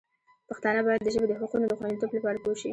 پښتانه باید د ژبې د حقونو د خوندیتوب لپاره پوه شي.